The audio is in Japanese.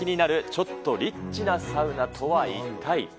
ちょっとリッチなサウナとは一体。